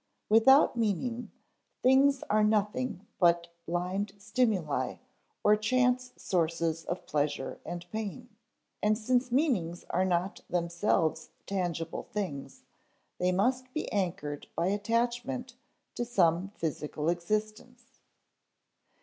Without meaning, things are nothing but blind stimuli or chance sources of pleasure and pain; and since meanings are not themselves tangible things, they must be anchored by attachment to some physical existence.